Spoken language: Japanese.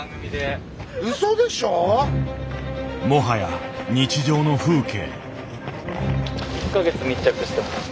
もはや日常の風景。